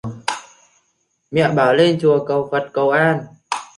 mẹ bảo lên chùa cầu phật cầu an